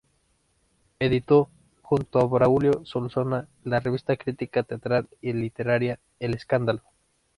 Editó, junto a Braulio Solsona, la revista de crítica teatral y literaria "El Escándalo.